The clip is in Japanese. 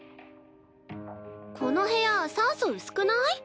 この部屋酸素薄くない？